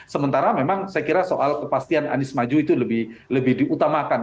sementara memang saya kira soal kepastian anies maju itu lebih diutamakan